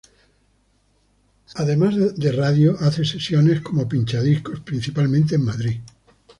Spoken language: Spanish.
Además de radio hace sesiones como pinchadiscos principalmente en Madrid.